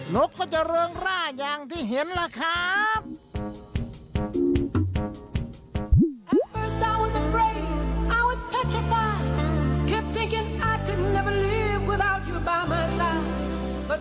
นกก็จะเริงร่าอย่างที่เห็นล่ะครับ